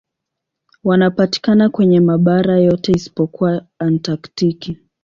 Wanapatikana kwenye mabara yote isipokuwa Antaktiki.